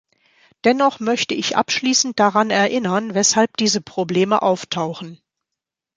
Dennoch möchte ich abschließend daran erinnern, weshalb diese Probleme auftauchen.